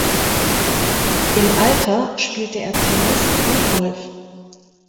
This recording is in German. Im Alter spielte er Tennis und Golf.